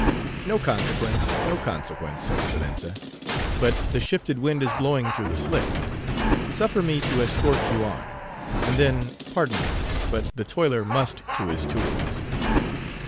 "No consequence, no consequence, Excellenza—but the shifted wind is blowing through the slit. Suffer me to escort you on; and then, pardon, but the toiler must to his tools."